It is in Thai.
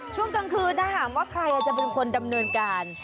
ช่วงกลางคืนถ้าหากว่าใครจะเป็นคนดำเนินการ